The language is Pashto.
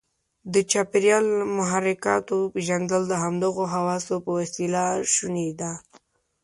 د چاپیریال محرکاتو پېژندل د همدغو حواسو په وسیله شونې ده.